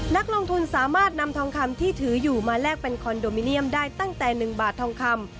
นักลงทุนสามารถนำทองคำที่ถืออยู่มาแลกเป็นคอนโดมิเนียมได้ตั้งแต่๑บาททองคำ